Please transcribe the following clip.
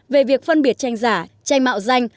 về việc phân biệt tranh giả tranh mạo danh